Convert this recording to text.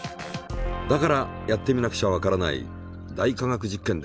だからやってみなくちゃわからない「大科学実験」で。